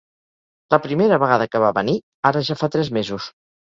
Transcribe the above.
La primera vegada que va venir, ara ja fa tres mesos.